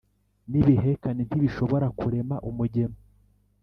n’ibihekane ntibishobora kurema umugemo